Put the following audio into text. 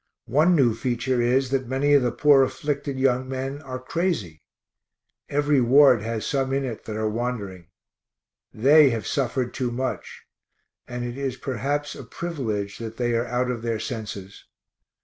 One new feature is that many of the poor afflicted young men are crazy. Every ward has some in it that are wandering. They have suffered too much, and it is perhaps a privilege that they are out of their senses.